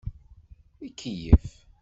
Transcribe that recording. Ikeyyef.